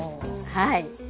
はい。